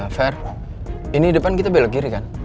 fair ini depan kita belok kiri kan